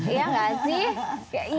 iya gak sih